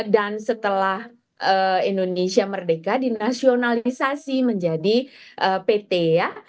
dan setelah indonesia merdeka dinasionalisasi menjadi pt ya